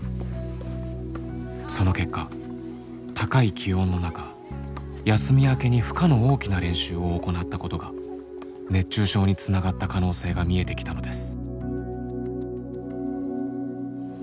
その結果高い気温の中休み明けに負荷の大きな練習を行ったことが熱中症につながった可能性が見えてきたのです。